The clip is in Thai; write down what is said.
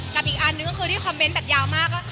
อีกอันนึงก็คือที่คอมเมนต์แบบยาวมาก